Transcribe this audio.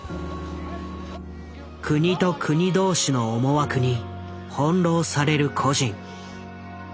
国と国同士の思惑に翻弄される個人。